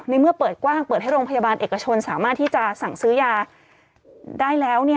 เมื่อเปิดกว้างเปิดให้โรงพยาบาลเอกชนสามารถที่จะสั่งซื้อยาได้แล้ว